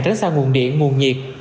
tránh xa nguồn điện nguồn nhiệt